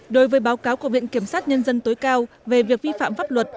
đối với báo cáo của viện kiểm sát nhân dân tối cao về việc vi phạm pháp luật